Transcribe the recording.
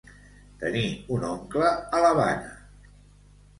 Tenir un oncle a l'Havana.